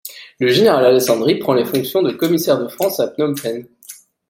Le général Alessandri prend les fonctions de commissaire de France à Phnom Penh.